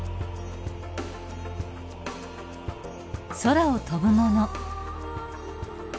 空を飛ぶもの。